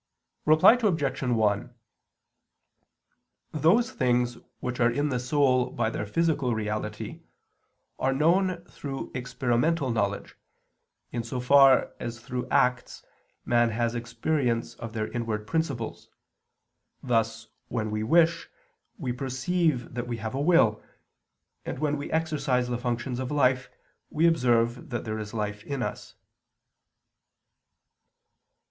Reply Obj. 1: Those things which are in the soul by their physical reality, are known through experimental knowledge; in so far as through acts man has experience of their inward principles: thus when we wish, we perceive that we have a will; and when we exercise the functions of life, we observe that there is life in us.